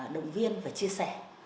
đồng viên và chia sẻ